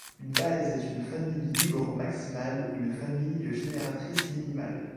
Une base est une famille libre maximale ou une famille génératrice minimale.